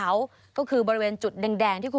สวัสดีค่ะสวัสดีค่ะ